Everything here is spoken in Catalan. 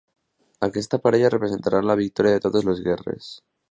Aquesta parella representarà la victòria totes les guerres.